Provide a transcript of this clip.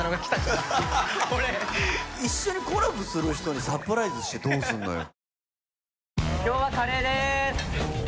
一緒にコラボする人にサプライズしてどうすんのよ